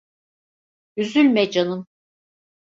Üzülme canım!